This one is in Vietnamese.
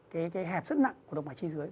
cái hẹp rất nặng của động mạch chi dưới